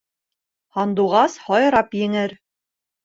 Һандуғас һайрап еңер